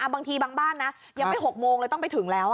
บางทีบางบ้านนะยังไม่๖โมงเลยต้องไปถึงแล้ว